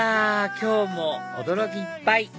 今日も驚きいっぱい！